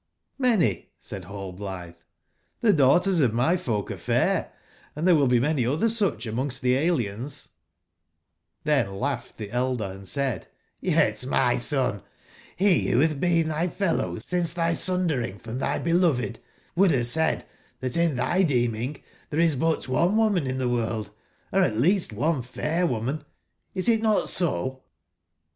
"JVlany/' said Hallblitbe; "tbe daugbters of my folk are fair, and tbere will be many otber sucb a mongst tbe aliens'' j^Hben laugbed tbe elder, and said: "Yet my son, be wbo bad been tby fellow since tby sundering from tby beloved, would bave said tbat in tby deeming tbere is but one woman in tbe world ; or at least one fair woman : is it not so